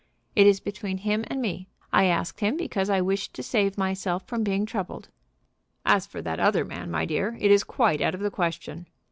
"It is between him and me. I asked him because I wished to save myself from being troubled." "As for that other man, my dear, it is quite out of the question.